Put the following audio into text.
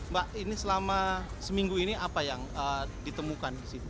mbak ini selama seminggu ini apa yang ditemukan